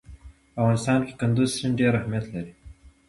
په افغانستان کې کندز سیند ډېر اهمیت لري.